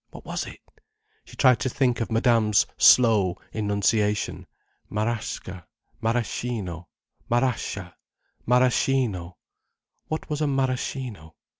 What was it? She tried to think of Madame's slow enunciation. Marasca—maraschino. Marasca! Maraschino! What was maraschino?